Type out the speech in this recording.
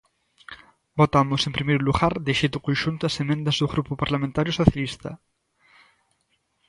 Votamos, en primeiro lugar, de xeito conxunto as emendas do Grupo Parlamentario Socialista.